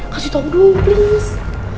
kasih tau dulu please